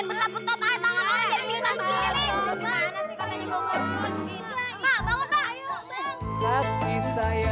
jangan jangan lu gajah rumah saya